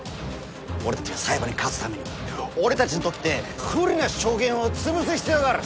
俺たちが裁判に勝つためには俺たちにとって不利な証言を潰す必要がある。